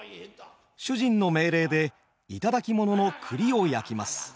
主人の命令で頂き物の栗を焼きます。